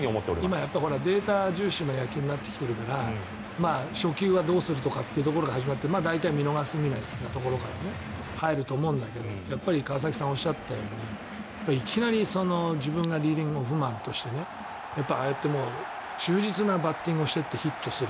今、データ重視の野球になってきているから初球はどうするというところから始まって大体見逃すみたいなところから入ると思うんだけどやっぱり、川崎さんがおっしゃったようにいきなり自分がリードオフマンとしてああやって忠実なバッティングをしてヒットにする。